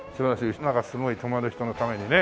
なんかすごい泊まる人のためにね。